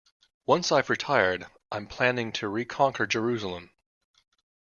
Once I've retired, I'm planning to reconquer Jerusalem.